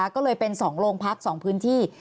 ก็เลยเป็น๒โรงพัก๒พื้นที่